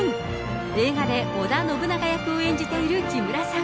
映画で織田信長役を演じている木村さん。